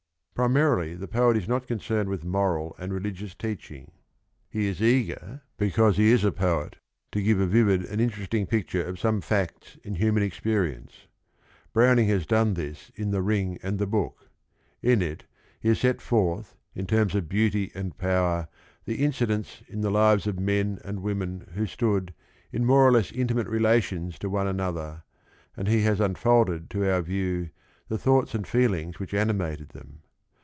Primarily, the poet is not concerned with moral and religious teaching. He is eager, because he 214 THE RING AND THE BOOK is a poet, to give a vivid and interesting picture of some facts in human experience. Browning has done this in The Ring and the Book. In it he has set forth in terms of beauty and power the incidents in the lives of men and women who stood in more or less intimate relations to one another, and he has unfolded to our view the thoughts and feelings which animated them.